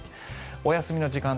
お休みの時間帯